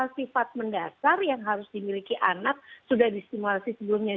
sifat mendasar yang harus dimiliki anak sudah disimulasi sebelumnya